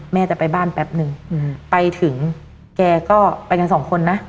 แม่จะไปบ้านแป๊บนึงไปถึงแกก็ไปกันสองคนนะ